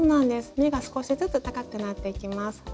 目が少しずつ高くなっていきます。